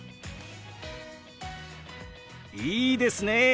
いいですね！